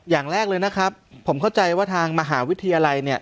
อย่างแรกเลยนะครับผมเข้าใจว่าทางมหาวิทยาลัยเนี่ย